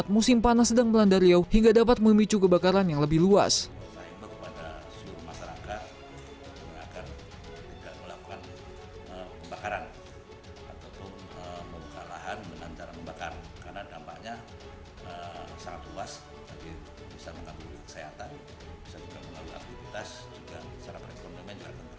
karena dampaknya sangat luas bisa mengambil kekayaan kesehatan bisa juga melalui aktivitas juga secara rekonomian juga akan berkali